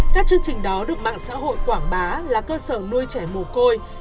các chương trình đó được mạng xã hội quảng bá là cơ sở nuôi trẻ mồ côi